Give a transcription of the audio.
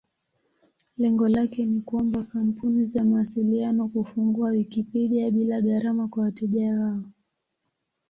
Lengo lake ni kuomba kampuni za mawasiliano kufungua Wikipedia bila gharama kwa wateja wao.